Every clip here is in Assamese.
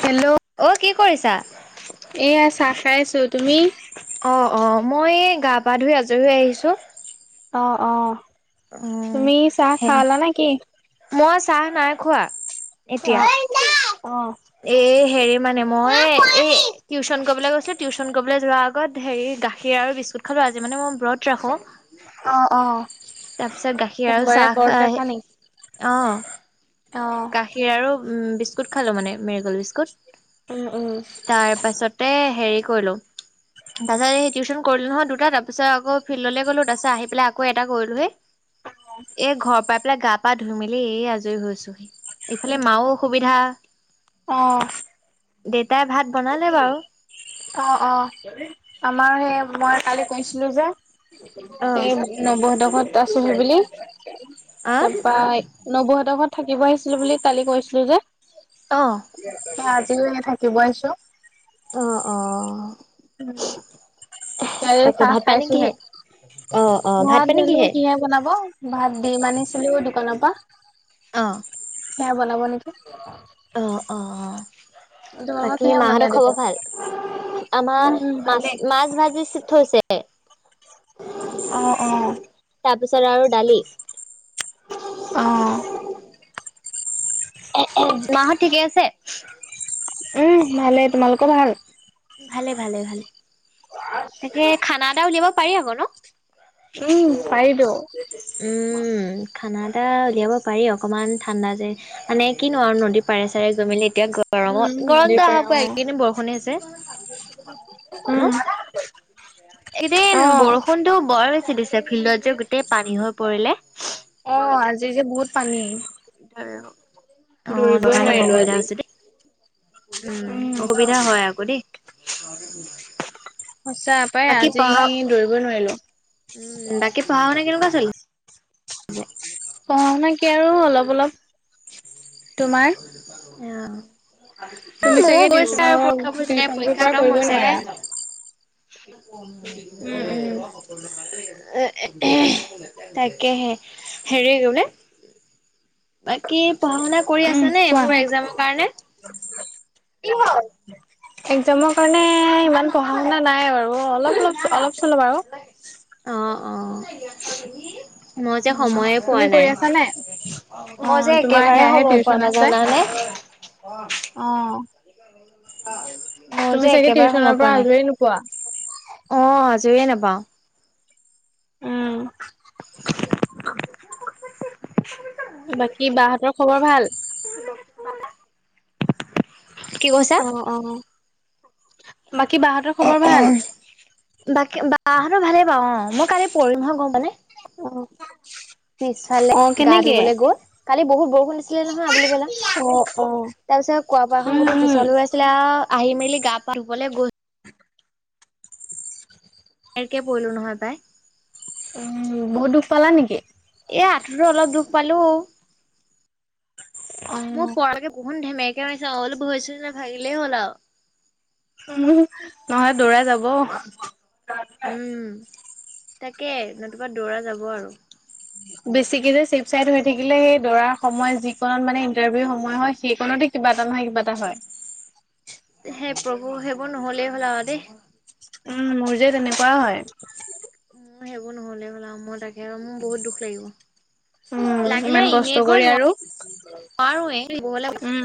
হেল্ল' অ কি কৰিছা? এয়া চাহ খাই আছো তুমি অ অ মই গা পা ধুই আজৰি হৈ আহিছো। অ অ অ তুমি চাহ সেই খালা নেকি মই আ- চাহ নাই খোৱা। এতিয়া অ [unintelligible] এ হেৰি মানে মই এই টিউচন কৰিবলৈ গৈছে টিউচন কৰিবলৈ যোৱাৰ আগত হেৰি গাখীৰ আৰু বিস্কুত খালো আজি মানে মই ব্ৰত ৰাখো। অ অ তাৰপিছত সোমবাৰে ব্ৰট ৰাখা নেকি অঁ গাখীৰ আৰু উম বিস্কুট খালো মানে মেৰিগল বিস্কুট উম উম তাৰ পাছতে হেৰি কৰিলো তাৰ পিছত সেই টিউশচন কৰিলো নহয় দুটা তাৰ পিছত আকৌ ফিল্ডলৈ গলো তাৰ পিছত আহি পেলাই আকৌ এটা কৰিলো হে এ ঘৰ পাই পেলাই গা পা ধুই মেলি এই আজৰি হৈছোহি। ইফালে মাও অসুবিধা অ দেউতাই ভাত বনালে বাৰু। অ অ আমাৰ সেই মই কালি কৈছিলো যে আহ এই নৱহেট ঘট আছোহি বুলি তাৰপা নৱহেট ঘট- থাকিব আহিছিলো বুলি কালি কৈছিলো যে। অ ভাত, যোৱে থাকিব আহিছো। অহ - অহ উম আয়ৈ তাকে চাহ ভাত পানী খাইছোহে কিহে অ অ ভাত পানী জানো কিহে বনাব ভাত দিম আনিছিলো দোকানৰ পা অহ সেয়া বনাব নেকি। [inaudible] অ তোমালোকৰ বাকী সেয়া ওলালে মাহতৰ খবৰ তেতিয়া ভাল? উম আমাৰ উম ভালেই। মাছ -মাছ ভাজি থৈছে। [inaudible] অহ - অহ তাৰ পিছত আৰু দালি অহ এহ -এহ মাহত ঠিকে আছে? উম, ভালেই তোমালোকৰ ভাল? ভালে -ভালে - ভালে। তাকে খানা এটা উলিয়াব পাৰি আক ন'? উম, পাৰিটো। উম, খানা এটা উলিয়াব পাৰি অকমান ঠাণ্ডা যে মানে কিনো আৰু নদীৰ পাৰে- চাৰে গৈ মিলি এতিয়া উম গৰমত নদীৰ গৰমটো পাৰ থাক বয়ে অ'। এইকেইদিন বৰষুণে আছে উম ন'? একেদিন অ', বৰষুণটো বৰ বেছিকে দিছে ফিল্ডত যে গোটেই পানী হৈ পৰিলে। আজি যে বহুত পানী। [unintelligible] সেইটো দৌৰিবই কাৰণে বৰ নোৱাৰিলো অসুবিধা আজি। হৈছে দেই উম, অসুবিধা হয় আ হব দেই। সঁচা পাই বাকী আজি পঢ়া দৌৰিব নোৱাৰিলো উম বাকী পঢ়া হুনা কেনেকুৱা চলি [unintelligible] অ'হেনেকে আৰু অলপ -অলপ। তোমাৰ? [unintelligible] অহ তুমি মোৰো চাগে গৈছে টিউচনৰ আৰু পৰীক্ষা বোৰ যে টিউচনটোৰ পৰীক্ষা পৰা খতম কৰিবই হৈছেহে? নোৱাৰা [unintelligible] [inaudible] উম। উম উম। এ তাকেহে, হেৰি কি বোলে, বাকী পঢ়া শুনা আছেনে এইবোৰ এক্সামৰ কাৰণে? এক্জামৰ কাৰণে ইমান পঢ়া শুনা নাই বাৰু অলপ অলপ অলপ। চলপ আউ। অ। মই যে উম, সময়ে তুমি পোৱা কৰি নাই, আছা নে? মই অ', যে তোমাৰ একেবাৰে সেয়াহে সময় পোৱা টিউচন আছে। নাজানানে? [unintelligible] অ। অ [unintelligible] তুমি চাগে টিউচনৰ পৰা আজৰি নোপোৱা? আজৰীয়ে নাপাওঁ। উম। বাকী বা হঁতৰ খবৰ ভাল? কি কৈছা? অ অ। বাকী বা হঁতৰ খবৰ ভাল? বাকী বা হতৰ ভালে বাওঁ, অ, মই কাইলে পঢ়িম ন হয় গম পাও নে? অ। পিছফালে গা কেনেকে? ধুবলে গৈ, কালি বহুত বৰষুণ দিছি। আছিল নহয় আবেলিবেলা। অ', অ', তাৰ পিছত কোৱা বাৰখন উম, গোতেই উম। পিছল হৈ আছিলে আউ। আহি মেলি গা পা ধুবলে গৈ। কে পৰিলোঁ নহয় পাই। উ বহুত দুখ পালা নেকি? এ আঠুতো অলপ দুখ পালো। অ'। পৰালেকে [unintelligible] শুন ধেমেৰকে মাৰিছে অল ভৰিছই নাভাগিলেই হ'ল আউ। [unintelligible] উ নহয় দৌৰাই যাব। উম। তাকে নতুবা দৌৰা যাব আৰু। বেছিকে যে চ চাই হৈ থাকিলে সেই দৰাৰ সময়ত যি কন মানে ইন্টাৰভিউ সময় হয় সেইকণতে কিবা এটা নহয় কিবা এটা হয়। [unintelligible] সেই প্ৰভু সেইবোৰ নহ'লেই হ'ল আৰু দেই। উম মোৰ যে তেনেকুৱা হয়। অ সেইবোৰ নহলে ব'লা মই তাকে। স মোৰ বহুত দুখ লাগিব। উম লাগিলে ইমান কষ্ট এনেকৈ কৰি আৰু নোৱাৰ নোৱাৰো উম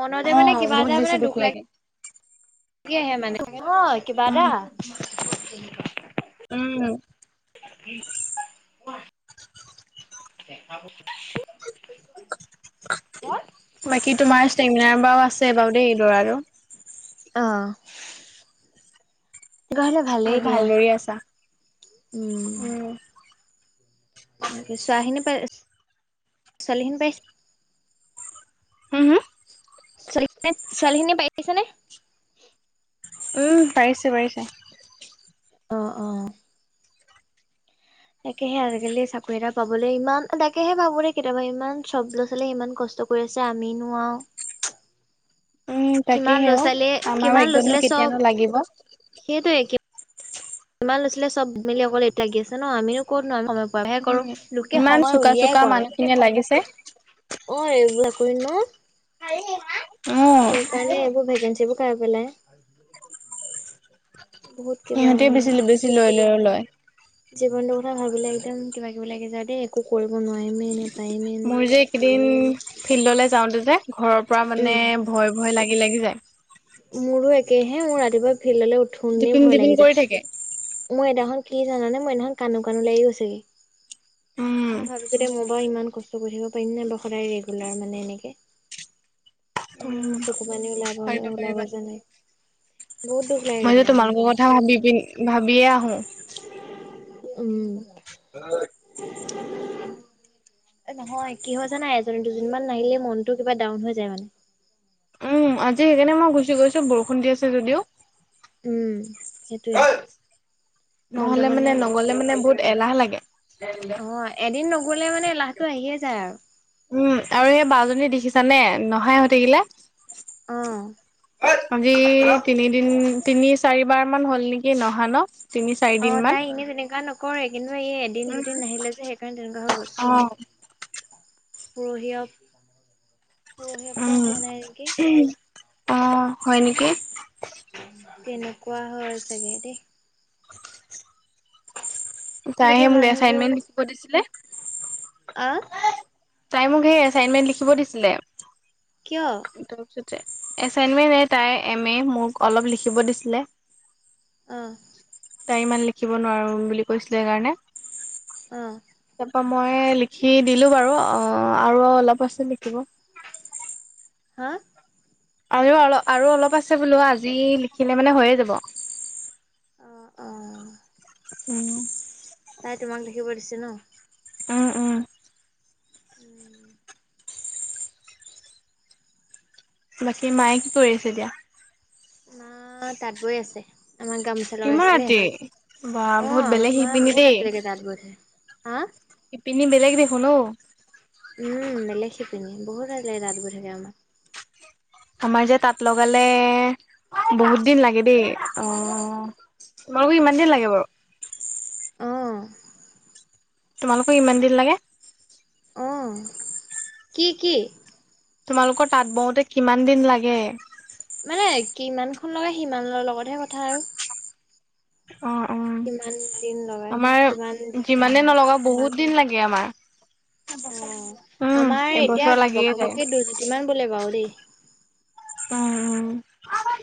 মনতে অ মানে কিবা বহুত এটা বেছি মানে দুখ লাগ লাগে সয়াহে মানে অ কিবা উম এটা কি [inaudible] উম। উ অ [inaudible] বাকী তোমাৰ ষ্টেমিনাৰ বাও আছে চ বাৰু দেই এইদৰ আৰু অ তেনেকুৱা হলে বহুত ভালেই ভাল দিয়া দৌৰি আছা উম ছোৱালী খিনি পাইছে, ছোৱালীখিনি পাইছে হম হ ছোৱালী? ছোৱালীখিনি পাই আহিছে নে পাৰিছে পাৰিছে। অ অ। তাকেহে আজিকালি চাকৰি এটা পাবলৈ ইমান তাকেহে ভাবো দেই কেতিয়াবা ইমান সব ল'ৰা ছোৱালীয়ে ইমান কষ্ট কৰি আছে। আমি নোৱাৰও উম তাকেহেও আমাৰ কিমান ল'ৰা ভাগ্যতো ছোৱালীয়ে চব কেতিয়ানো লাগিব। ইমান লৈছিলে চব মিলি অকল এইটো থাকিল। জান। আমিনো ক'ত নো আমি কৰো উম লোকে ইমান সময় চোকা উলিয়াই চোকা কৰে। মানুহখিনিয়ে লাগিছে অ এইবিলাক কই ন উম। সেইকাৰণে এইবোৰ ভেকেঞ্চিবোৰ খাই পেলাই বহুত কিবা সিহঁতে বেছি বেছি লৈ লৈ আৰু লয় জীৱনটো কথা ভাবিলে একদম কিবা কিবি লাগি যায় দেই। একো কৰিব নোৱাৰিমে এনে মোৰ যে এইকেইদিন ফিল্ডলৈ যাওঁতে যে ঘৰৰ পৰা মানে ভয় ভয় লাগে। লি লাগি যায়। মোৰো একেহে মোৰ ৰাতিপুৱা ফিল্ডলৈ উঠোনি টিপিং ভয় টিপিং লাগি কৰি যায়। থাকে মই এদিনাখন কি জানানে মই এদিনাখন কান্দো কান্দো লাগি গৈছে গে। উম, মই ভাবিছো দে মোৰ ইমান কষ্ট কৰি থাকিব পাৰিম ন ব সদায় ৰেগুলাৰ মানে এনেকে উম, চ পাৰিবা পাৰিবা বহুত দুখ লাগে মইতো কেতিয়াবা গম তোমালোকৰ পোৱা কথা নে। ভাবি পিন ভাবিয়ে হয় উম উ নহয় কি হয় জানাই এজনী দুজনমান নাহিলে মনটো কিবা ডাউন হৈ যায় মানে উম আজি সেইকাৰণে মই গুচি গৈছো বৰষুণ দি আছে যদিও উম, সেইটোয়ে মনটো নহলে মানে বহুত নগলে মানে বহুত এলাহ লাগে [inaudible] অ এদিন নগলে মানে লাহটো আহিয়ে যায় আৰু উম আৰু সেই বাজনী দেখিছ নে নহাই হৈ থাকিলে অ'। আজি তিনিদিন তিনি চাৰিবাৰ মান হ'ল নেকি নহা ন তিনি চাৰি অ দিন মান। তাই এনে তেনেকোৱা নক [unintelligible] কৰে কিন্তু এই এদিন দুদিন নাহিলে যে সেইকাৰণে তেনেকুৱা হৈ অ', গ'ল পুৰহিয় [unintelligible] উম উ অ হয় নেকি তেনেকুৱা হয় চাগে দেই বাকী তাইহে মোক মানুহবোৰ এচাইনমেন্ট লিখিব দিছিলে আহ তাই মোক সেই এচাইনমেন্ট লিখিব দিছিলে কিয় তাৰপিছতে এচাইনমেন্ট তাই এম এ মোক অলপ লিখিব দিছিলে আহঁ তাই ইমান লিখিব নোৱাৰো বুলি কৈছিলে সেইকাৰণে অঁ মই লিখি দিলো বাৰু অ আৰু অলপ আছে লিখিব হা আৰু অলপ আৰু অলপ আছে বোলো আজি লিখিলে মানে হৈয়ে যাব আহ আহ অ তাই তোমাক লিখিব দিছে ন [unintelligible] উম উম উম বাকী মায়ে কি কৰি আছে এ দিয়া না তাত বৈ আছে আমাৰ গামোচা ইমান লগাইছিলে ৰাতি বা অ বহুত বেলেগ আমাৰ মা শিপিনী বহুত দেই ৰাতি লাগে তাঁত বয় হাঁ শিপিনী বেলেগ দেখোন অও [unintelligible] উম বেলেগ শিপিনী বহুত আ লাগে ৰাতি লৈকে তাত বৈ থাকে আমাৰ [unintelligible] আমাৰ যে তত লগালে বহুত দিন লাগে দেই অ। তোমালোকো ইমান দিন লাগে বাৰু অঁ তোমালোকক ইমান দিন লাগে? অঁ কি কি? তোমালোকৰ তাঁত বওঁতে কিমান দিন লাগে? মানে কিমান খন লাগে, সিমানৰ লগতহে কথা আৰু অ অ কিমান? দিন লগাই আমাৰ কিমান যিমানে নলগা বহুত দিন লাগে আমাৰ। অ'! উম আমাৰ এতিয়া এবছৰ লাগিয়ে ঘপক যায়। ঘপকে দুৰ্জ্যুতি মমান বোলে বাৰু দেই। অ! অ!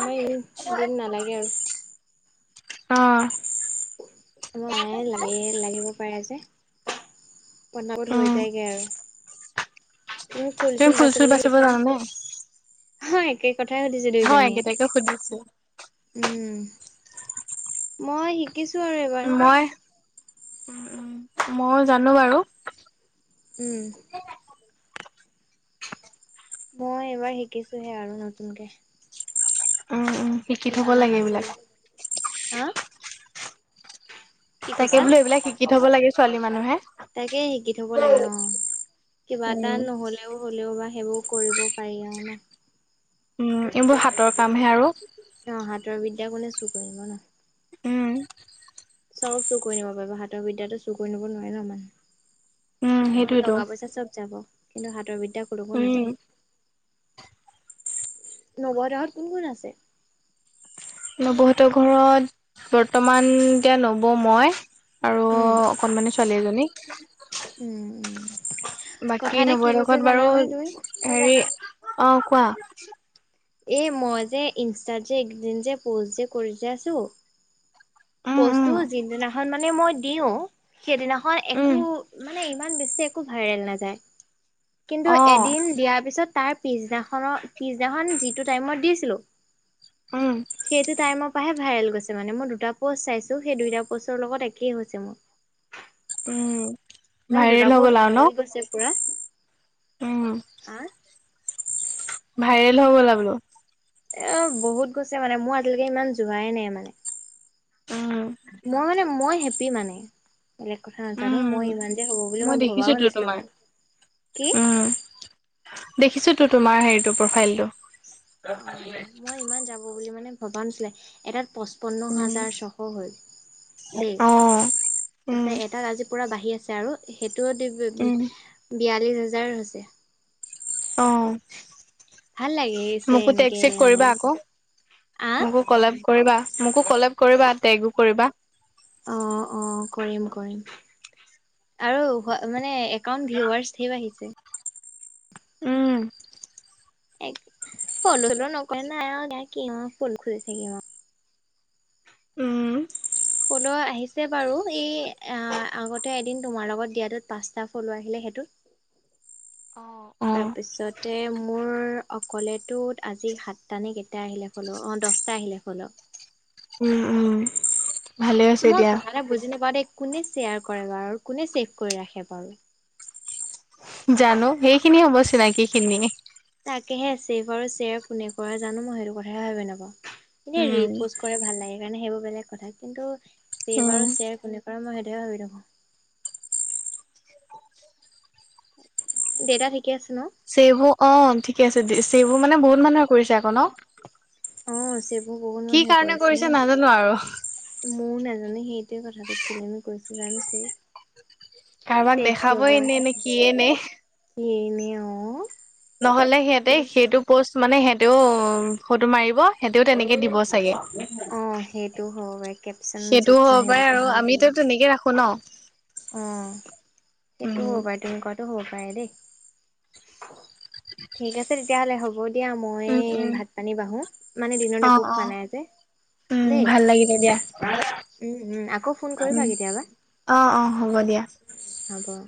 আমাৰ ইমান দিন নালাগে আৰু। অঁ! মায়ে লাগে, লাগিব পাৰে যে, পনাপত হৈ উম, যায়গে আৰু। তুমি ফুল চুল বাচিব জানানে? হয় একে কথাই সুধিছে হয় দুয়োজনীয়ে একেতাকে সুধিছোঁ। উম! মই শিক শিকিছোঁ আৰু এইবাৰ। মইয়ো জানোঁ বাৰু। উম! মই এইবাৰ শিকিছোঁহে আৰু নতুনকে উম উম শিকি থব জনা লাগে এইবিলাক। নাছিলো হা? কি তাকে কৈছা? বোলো এইবিলাক শিক কি থব লাগে ছোৱালী মানুহে। তাকে শিকি থব লাগে অ'! কিবা এটা উম, নহলেও হলেও বা সেইবোৰ কৰিব পাৰি আৰু ন। উম! এইবোৰ হাতৰ কামহে আৰু। অ' হাতৰ বিদ্যা কোনে চুৰ কৰিব ন! উম! চব চুৰ কৰি নিব পাৰিব, হাতৰ বিদ্যাটো চুৰ কৰি নিব নোৱাৰে ন মানে উম, ধন সেইটোৱেতো। টকা পইচা চব যাব। কিন্তু হাতৰ বি দ্যা কলৈকো নাযায়। উম। নৱৌ হতৰ ঘৰত কোন কোন আছে? নৱৌহঁতৰ ঘৰত বৰ্তমান এতিয়া, নৱৌ মই আৰু উম। অকনমানি ছোৱালী এজনী। [unintelligible] উম! উম! কথা বাকী এটা নবৌ কি হঁতৰ হৈছে ঘৰত বাৰু জানানে তুমি? হেৰি, অ'! কোৱা? এই মই যে ইনষ্টাত যে, এই কেইদিনযে পষ্ট যে কৰি যে আছোঁ উম উম মানে মই দিওঁ। সেইদিনাখন একো উম মানে, ইমান বেছি একো ভাইৰেল নাযায়। কিন্তু, অ এদিন দিয়াৰ পিছত তাৰ পিছদিনা খনৰ, পিছদিনাখন যিটো টাইমত দিছিলোঁ, উম সেইটো টাইমৰ পৰাহে ভাইৰেল হৈছে মানে। মোৰ দুটা পোষ্ট চাইছোঁ। সেই দুইটা পোষ্টৰ লগত একেই হৈছে মোৰ। উম মানে, ভাইৰেল দুটা হৈ গ'ল পোষ্ট আৰু ন ভাইৰেল হৈছে পুৰা। উম আঁ! ভাইৰেল হৈ গ'লা বোলো। এ, বহুত গৈছে মানে, মোৰ আজিলৈকে ইমান যোৱাই নাই মানে, উম মই মানে, মই হেপ্পী মানে। বেলেগ কথা নাজানোঁ, উম মই ইমান যে হ'ব বুলি মই ভবাও দেখিছোঁতো নাছিলো তোমাক! মানে কি উম! দেখিছোঁতো তোমাৰ, হেৰিটো প্ৰফাইলটো। অ'! মই ইমান যাব বুলি মানে, ভবা নাছিলে! এটাত পচ পচপন্ন হাজাৰ উম ছশ হ'ল, দেই। অ উম এটাত আজি পূৰা বাঢ়ি আছে। আৰু সেইট উম [unintelligible] বিয়াল্লিছ হাজাৰ হৈছে। অ'! ভাল লাগিছে মোকো টেগ এনেকে -চেগ মানে কৰিবা আকৌ, আহ মোকো কলাৰব কৰিবা। মোকো কলাৰব কৰিবা, টেগো কৰিবা। অ'! অ'! কৰিম, কৰিম আৰু মানে একাউন্ট ভিউআৰছ ধেই বাঢ়িছে। উম! এক ফল্লো টো নকৰে নাই আও! কি অ'! ফোন কৰি থাকিব। উম! ফল্লো আহিছে বাৰু। এই আঁ আগতে এদিন তোমাৰ লগত দিয়টোত পাঁচটা ফল্লো আহিলে অ সেইটোত। তাৰপিছতে, মোৰ অকলেটোত আজি সাতটানে কেইটা আহিলে ফল্লো অ'! দছটা আহিলে ফল্লো। উম উম ভালে হৈছে মই দিয়া কথা এটা বুজি নাপাওঁ দেই। কোনে শ্বেয়াৰ কৰে বাৰু কোনে চেভ কৰি ৰাখে বাৰু। জানোঁ! সেইখিনি হ'ব, চিনাকি খিনিয়ে। তাকেহে, চেভ আৰু শ্বেয়াৰ কোনে কৰা জানোঁ মই সেইটো কথাহে ভাবি নাপাওঁ! এনে ৰি উম পষ্ট কৰে ভাল লাগে কাৰণে, সেইবোৰ বেলেগ কথা। কিন্তু, চেভ আৰু উম শ্বেয়াৰ কোনে কৰে মই সেইটোহে ভাবি নাপাওঁ। দেউতা ঠিকে আছে ন'? চেভো অ'! ঠিকে আছে চেভো মানে, বহুত মানুহে কৰিছে আকৌ ন'। অ'! যি বহুত কি মানুহে কাৰণে কৰিছে। মই নাজানো আৰু ময়ো নেজা মানে, সেইটোৱে কথাটো, কেলেনো কৰিছে জানোঁ যে! কাৰোবাক দেখাব এনে নে কিয়ে নে? এইনে অ [unintelligible] নহ'লে সিহতে সেইটো প'ষ্ট মানে সিহঁতে সহঁতেও ফটো মাৰিব সিহঁতেও তেনেকে দিব চাগে অঁ সেইটো হ'ব পাৰে কেপচন সেইটোও হ'ব চেপচন পাৰে আৰু সেইবোৰ আমিতো তেনেকে ৰাখো ন সেই অঁ সেইটো উম হ' বাৰু তেনেকুৱ দেই ঠিক আছে তেতিয়াহ'লে হ'ব দ এতিয়া মই উম উম ভাত পানী বাঢ়োঁ মানে দিনত অ একো অ খোৱা নাই যে উম দেই ভাল লাগিলে দিয়া আকৌ ফোন কৰিবা কেতিয়াবা [unintelligible] অঁ অঁ হ'ব দিয়া। হ'ব